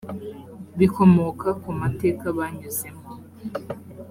bikomoka ku mateka banyuzemo